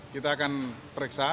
kita akan periksa